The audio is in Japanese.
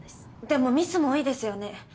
でもミスも多いですよね。